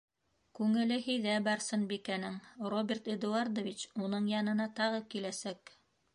Күңеле һиҙә Барсынбикәнең: Роберт Эдуардович уның янына тағы киләсәк.